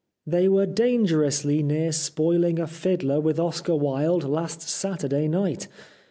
' They were dangerously near spoil ing a fiddler with Oscar Wilde last Saturday night.